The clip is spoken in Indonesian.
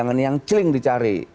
jangan yang ciling dicari